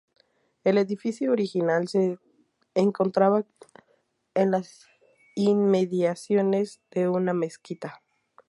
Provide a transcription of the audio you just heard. El edificio original se encontraba en las inmediaciones de una mezquita.